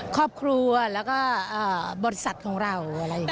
ครอบครัวแล้วก็บริษัทของเราอะไรอย่างนี้